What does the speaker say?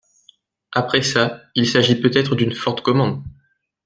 Après ça, il s’agit peut-être d’une forte commande…